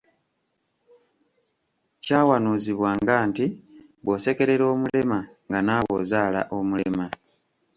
Kyawanuuzibwanga nti bw'osekerera omulema nga naawe ozaala omulema.